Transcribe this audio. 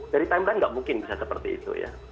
dari timeline nggak mungkin bisa seperti itu ya